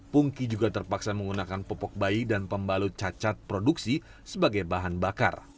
pungki juga terpaksa menggunakan pupuk bayi dan pembalut cacat produksi sebagai bahan bakar